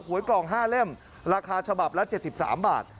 วยกล่อง๕เล่มราคาฉบับละ๗๓บาท